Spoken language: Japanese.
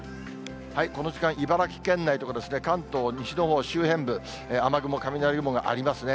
この時間、茨城県内とか関東、西のほう、周辺部、雨雲、雷雲がありますね。